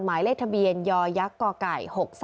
หมายเลขทะเบียนยักษ์กไก่๖๒